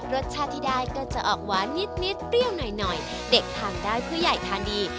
รสชาติที่ได้ก็จะออกหวานนิดเปรี้ยวหน่อยหน่อยเด็กทานได้ผู้ใหญ่ทานดี